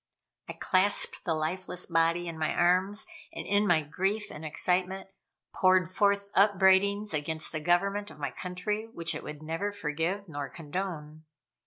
I clasped the lifeless body in my arms, and in my grief and excitement, poured forth upbraidings against the government of my country which it would never forgive nor condone.